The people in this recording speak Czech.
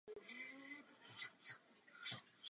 Území je osídleno od doby železné.